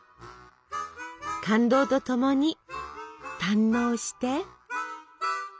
感動と共に堪能して！